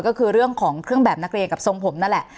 ก็คือเรื่องของเครื่องแบบนักเรียนกับทรงผมนั่นแหละ